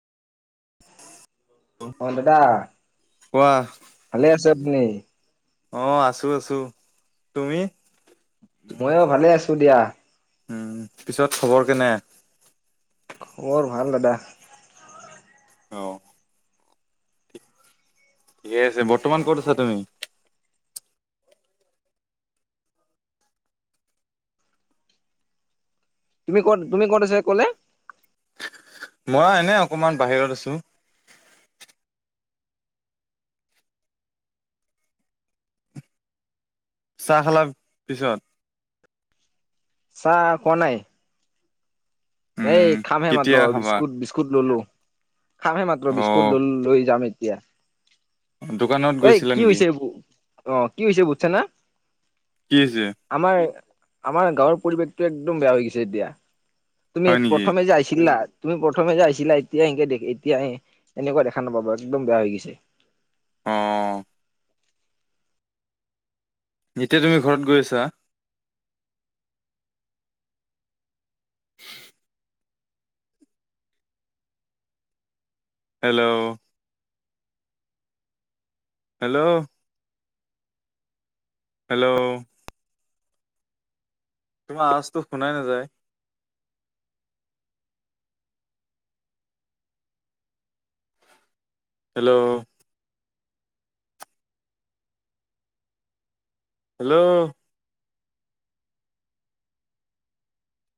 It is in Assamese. অ দাদা, কোৱা ভালে আছ আপুনি? অ আছো আছো, তুমি? মইও ভালে আছো দিয়া। উম' পিছত খবৰ কেনে? খবৰ ভাল দাদা। অ'। ঠিক আছে, বৰ্তমান ক'ত আছা তুমি? তুমি ক'ত, তুমি কত আছে ক'লে? মই এনে অকমান বাহিৰত আছো। চাহ খালাৰ পিছত? চা কোৱা নাই। উম এই খামহে মাত্ৰ, কেতিয়া খাবা বিস্কুট, বিস্কুট ললো। খামহে মাত্ৰ অ বিস্কুট লৈ যাম এতিয়া দোকানত ঐ গৈছিলা কি নেকি হৈছে এবো, অ কি হৈছে বুজছে না কি হৈছে আমাৰ আমাৰ গাঁৱৰ পৰিৱেশটো একদম বেয়া হৈ গৈছে এতিয়া তুমি হয় নেকি প্ৰথমে যে আছিলা তুমি প্ৰথমে আহিছিলা এতিয়া সে এনকে দেখ এতিয়া আহে এনেকুৱা দেখা নাপাবা একদম বেয়া হৈ গৈছে অ এতিয়া তুমি ঘৰত গৈ আছা হেল্ল' হেল্ল' হেল্ল' তোমাৰ আৱাজ শুনাই নাযায় হেল্ল' হেল্ল'